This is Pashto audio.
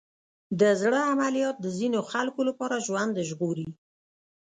د زړه عملیات د ځینو خلکو لپاره ژوند ژغوري.